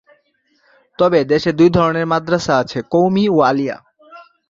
তবে দেশে দুই ধরনের মাদ্রাসা আছে: কওমি ও আলিয়া।